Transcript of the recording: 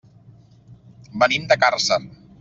Venim de Càrcer.